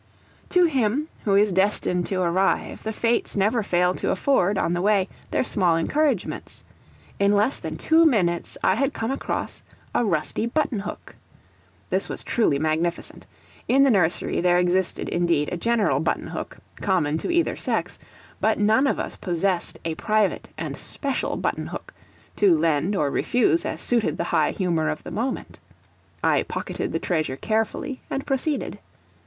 To him who is destined to arrive, the fates never fail to afford, on the way, their small encouragements; in less than two minutes, I had come across a rusty button hook. This was truly magnificent. In the nursery there existed, indeed, a general button hook, common to either sex; but none of us possessed a private and special button hook, to lend or refuse as suited the high humour of the moment. I pocketed the treasure carefully and proceeded.